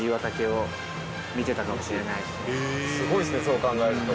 すごいっすねそう考えると。